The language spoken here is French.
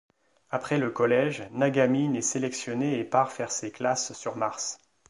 Après le collège, Nagamine est sélectionnée et part faire ses classes sur Mars.